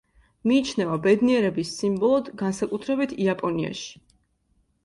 მიიჩნევა ბედნიერების სიმბოლოდ, განსაკუთრებით იაპონიაში.